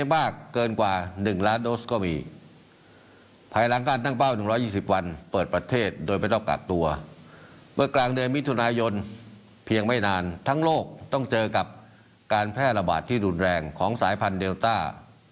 เมื่อกลางเดือนมิถุนายนเพียงไม่นานทั้งโลกต้องเจอกับการแพร่ระบาดที่รุนแรงของสายพันธุ์เดลต้า